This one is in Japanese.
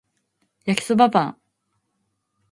焼きそばパン